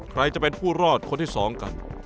ใครจะเป็นผู้รอดคนที่สองกัน